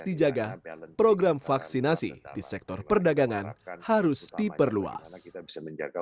sehingga harus dijaga program vaksinasi di sektor perdagangan harus diperluas